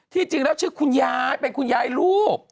จริงแล้วชื่อคุณยายเป็นคุณยายรูป